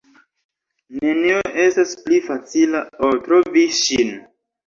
Nenio estas pli facila, ol trovi ŝin.